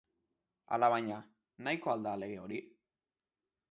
Alabaina, nahikoa al da lege hori?